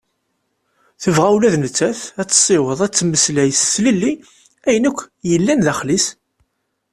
Tebɣa ula d nettat ad tessiweḍ ad temmeslay s tlelli ayen akk yellan daxel-is.